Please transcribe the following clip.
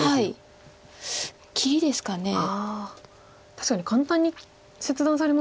確かに簡単に切断されますね。